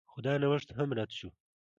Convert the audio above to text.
خو دا نوښت هم رد شو.